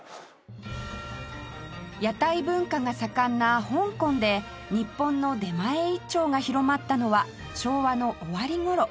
屋台文化が盛んな香港で日本の出前一丁が広まったのは昭和の終わり頃